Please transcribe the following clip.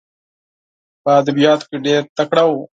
په ادبیاتو کې ډېر تکړه وو.